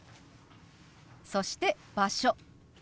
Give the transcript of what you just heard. そして「場所」。